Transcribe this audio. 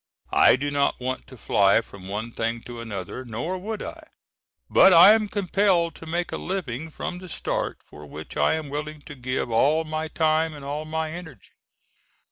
I do not want to fly from one thing to another, nor would I, but I am compelled to make a living from the start for which I am willing to give all my time and all my energy.